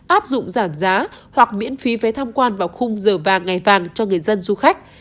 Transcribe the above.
áp dụng giảm giá hoặc miễn phí vé tham quan vào khung giờ vàng ngày vàng cho người dân du khách